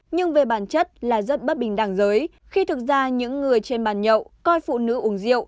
nhưng về bản chất là rất bất bình đẳng giới khi thực ra những người trên bàn nhậu coi phụ nữ uống rượu